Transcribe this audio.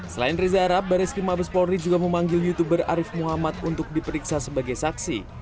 selain reza arab baris krim mabes polri juga memanggil youtuber arief muhammad untuk diperiksa sebagai saksi